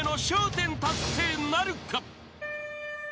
１０達成なるか？］